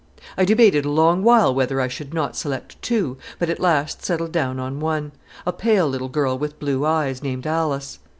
I debated a long while whether I should not select two, but at last settled down on one a pale little girl with blue eyes, named Alice.